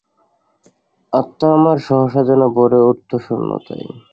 আত্মা আমার সহসা যেন ভরে উঠত শূন্যতায়।